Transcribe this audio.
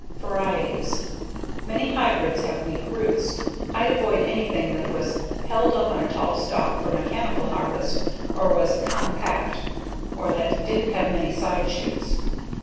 Varieties: Many hybrids have weak roots. I'd avoid anything that was "held up on a tall stalk" for mechanical harvest or was "compact" or that "didn't have many side shoots".